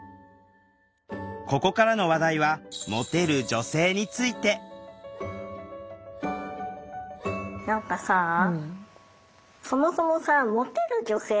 ここからの話題はモテる女性について何かさあモテる女性？